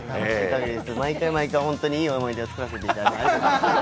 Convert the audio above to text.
毎回毎回、ホントにいい思い出を作らせていただき、ありがとうございます。